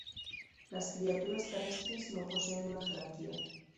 Las criaturas terrestres no poseen una jerarquía.